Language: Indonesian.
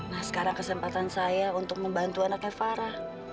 nah sekarang kesempatan saya untuk membantu anaknya farah